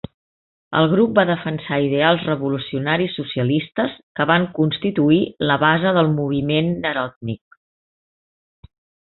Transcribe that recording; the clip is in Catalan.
El grup va defensar ideals revolucionaris socialistes que van constituir la base del moviment Narodnik.